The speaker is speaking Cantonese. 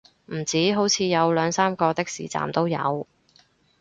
唔止，好似有兩三個的士站都有